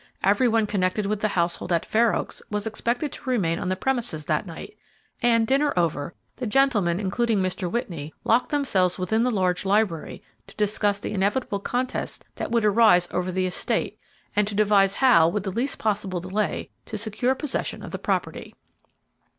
Every one connected with the household at Fair Oaks was expected to remain on the premises that night; and, dinner over, the gentlemen, including Mr. Whitney, locked themselves within the large library to discuss the inevitable contest that would arise over the estate and to devise how, with the least possible delay, to secure possession of the property.